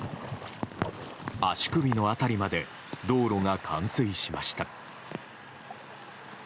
足首の辺りまで道路が冠水しました。